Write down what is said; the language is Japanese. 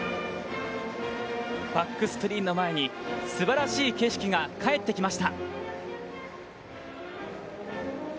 バックスクリーンの前にすばらしい景色が帰ってきました。